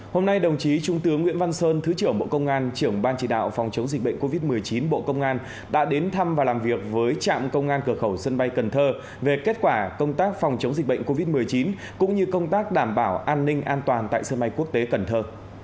hôm nay đồng chí trung tướng nguyễn văn sơn thứ trưởng bộ công an trưởng ban chỉ đạo phòng chống dịch bệnh covid một mươi chín bộ công an đã đến thăm và làm việc với trạm công an cửa khẩu sân bay cần thơ về kết quả công tác phòng chống dịch bệnh covid một mươi chín cũng như công tác đảm bảo an ninh an toàn tại sân bay quốc tế cần thơ